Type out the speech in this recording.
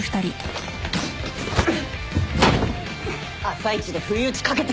朝一で不意打ちかけてくるから。